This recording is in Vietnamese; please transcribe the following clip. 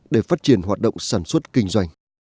để phát triển hoạt động sản xuất kinh doanh